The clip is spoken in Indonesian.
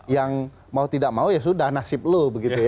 yang mau tidak mau ya sudah nasib lu